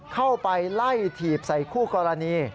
เข้าไปไล่ถีบใส่คู่กรณี